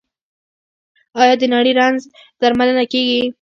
آیا د نري رنځ درملنه کیږي؟